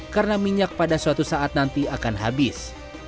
karena minyak pada suatu saat nanti akan habis